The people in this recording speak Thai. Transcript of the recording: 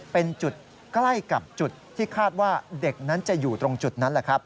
เป็นจุดใกล้กับจุดที่คาดว่าเด็กนั้นจะอยู่ตรงจุดนั้นแหละครับ